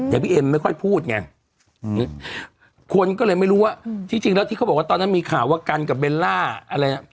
แต่พี่เอ็มไม่ค่อยพูดไงคนก็เลยไม่รู้ว่าที่จริงแล้วที่เขาบอกว่าตอนนั้นมีข่าวว่ากันกับเบลล่าอะไรอ่ะ